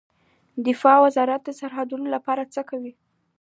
دفاع وزارت د سرحدونو لپاره څه کوي؟